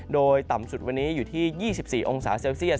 โดยต่ำสุดวันนี้อยู่ที่๒๔องศาเซลเซียต